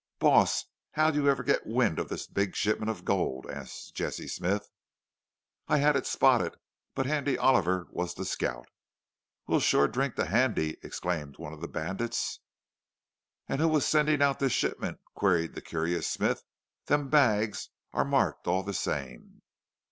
"Boss, how'd you ever git wind of this big shipment of gold?" asked Jesse Smith. "I've had it spotted. But Handy Oliver was the scout." "We'll shore drink to Handy!" exclaimed one of the bandits. "An' who was sendin' out this shipment?" queried the curious Smith. "Them bags are marked all the same."